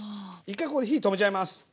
一回ここで火止めちゃいます。